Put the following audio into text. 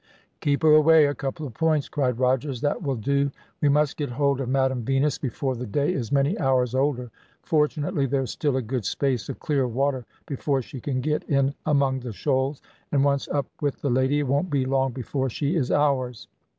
"Keep her away a couple of points," cried Rogers; "that will do. We must get hold of Madam Venus before the day is many hours older. Fortunately there is still a good space of clear water before she can get in among the shoals, and once up with the lady, it won't be long before she is ours."